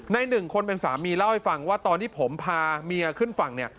หนึ่งคนเป็นสามีเล่าให้ฟังว่าตอนที่ผมพาเมียขึ้นฝั่งเนี่ย